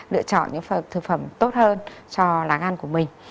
lựa chọn những thực phẩm tốt hơn cho lá ăn của mình